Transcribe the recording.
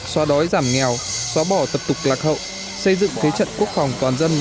xóa đói giảm nghèo xóa bỏ tập tục lạc hậu xây dựng thế trận quốc phòng toàn dân